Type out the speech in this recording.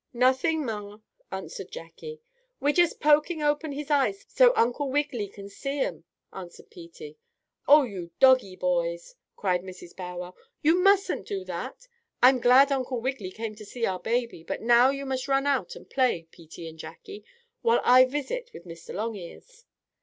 "Nothing, ma," answered Jackie. "We're jest pokin' open his eyes so Uncle Wiggily can see 'em," answered Peetie. "Oh, you doggie boys!" cried Mrs. Bow Wow. "You mustn't do that! I'm glad Uncle Wiggily came to see our baby, but now you run out and play, Peetie and Jackie, while I visit with Mr. Longears."